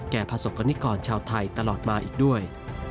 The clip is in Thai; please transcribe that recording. ประสบกรณิกรชาวไทยตลอดมาอีกด้วย